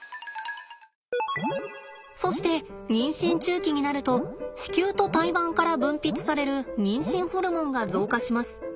そして妊娠中期になると子宮と胎盤から分泌される妊娠ホルモンが増加します。